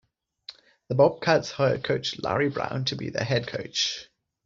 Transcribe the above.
The Bobcats hired coach Larry Brown to be their head coach.